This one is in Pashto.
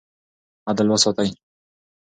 عدل وساتئ.